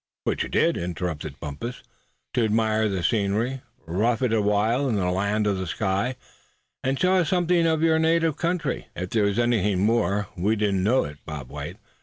"Which you did," interrupted Bumpus; "to admire the scenery; rough it awhile in the Land of the Sky; and show us something of your native country. If there was anything more, we didn't know it, Bob White.